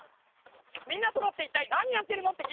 みんなそろっていったいなにやってるの？